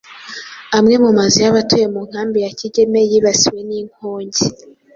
amwe mu mazu y’abatuye mu nkambi ya Kigeme yibasiwe n’inkongi